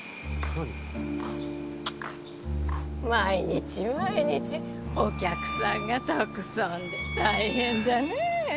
毎日毎日お客さんがたくさんで大変だねえ。